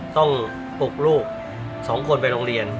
ต้องปลูกลูก๒คนไปโรงเรียน